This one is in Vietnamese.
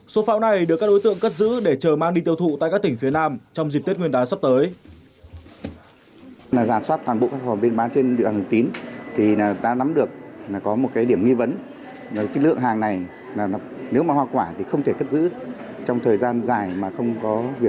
số pháo này được các đối tượng cất giữ để chờ mang đi tiêu thụ tại các tỉnh phía nam trong dịp tết nguyên đán sắp tới